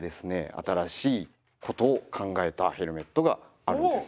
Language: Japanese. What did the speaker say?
新しいことを考えたヘルメットがあるんです。